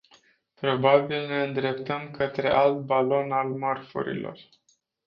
Probabil ne îndreptăm către alt balon al mărfurilor.